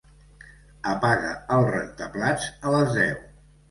Apaga el rentaplats a les deu.